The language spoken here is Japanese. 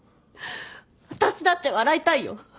私だって笑いたいよ。